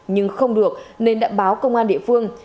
nhưng không được nên đã báo công an địa phương